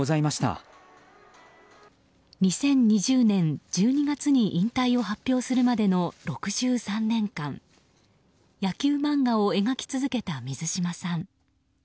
２０２０年、１２月に引退を発表するまでの６３年間野球漫画を描き続けた水島さん。